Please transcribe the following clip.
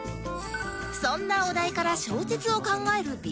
そんなお題から小説を考える ＢＫＢ さん